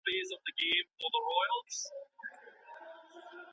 د ونو کښینول روغتیا سره څه مرسته کوي؟